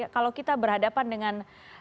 kalau kita berhadapan dengan